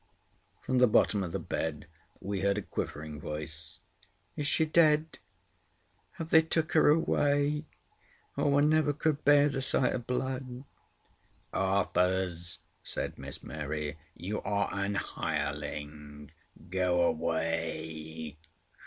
From the bottom of the bed we heard a quivering voice: "Is she dead? Have they took her away? Oh, I never could bear the sight o' blood!" "Arthurs," said Miss Mary, "you are an hireling. Go away!"